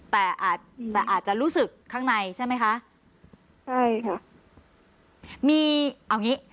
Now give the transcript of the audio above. แต่อาจแต่อาจจะรู้สึกข้างในใช่ไหมคะใช่ค่ะมีเอาอย่างงี้